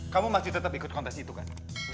kamu masih tetap ikut kontes itu kan